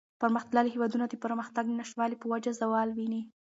پرمختللي هېوادونه د پرمختگ د نشتوالي په وجه زوال ویني.